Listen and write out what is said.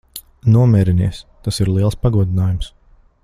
Nomierinies. Tas ir liels pagodinājums.